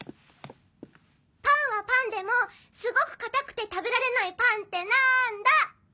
パンはパンでもすごく硬くて食べられないパンってなんだ？